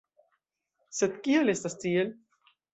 Sed kial estas tiel?